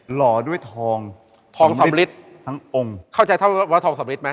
หล่อด้วยทองสำริดทั้งองค์เข้าใจว่าทองสำริดมั้ย